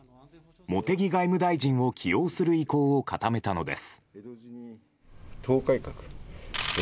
茂木外務大臣を起用する意向を固めたのです。